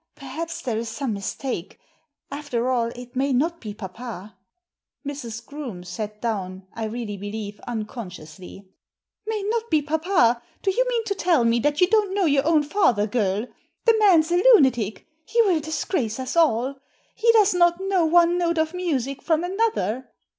Perhaps there is some mistake; after all, it may not be papa." Mrs. Groome saf. down, I really believe uncon sciously. " May not be papa I Do you mean to tell me that you don't know your own father, girl ? The man's a lunatic ; he will disgrace us all. He does not know one note of music fijom another.